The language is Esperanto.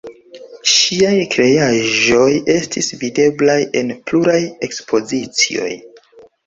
Ŝiaj kreaĵoj estis videblaj en pluraj ekspozicioj.